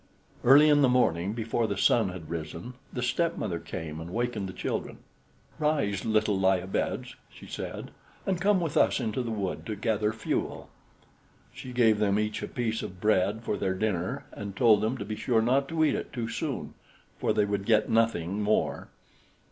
Early in the morning, before the sun had risen, the stepmother came and wakened the children. "Rise, little lie a beds," she said, "and come with us into the wood to gather fuel." She gave them each a piece of bread for their dinner, and told them to be sure not to eat it too soon, for they would get nothing more.